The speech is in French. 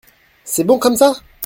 C’est bon comme ça ?